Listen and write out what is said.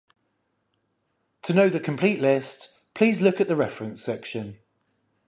To know the complete list please look at the reference section.